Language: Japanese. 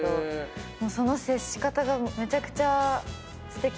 その接し方がめちゃくちゃすてきで。